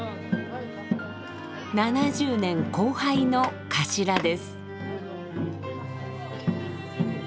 ７０年後輩の頭です。